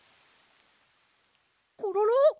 コロロ！